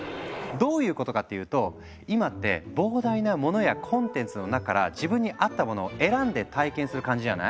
どういうことかっていうと今って膨大なモノやコンテンツの中から自分に合ったものを選んで体験する感じじゃない？